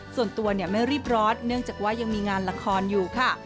ส่วนตัวไม่รีบร้อนเนื่องจากว่ายังมีงานละครอยู่ค่ะ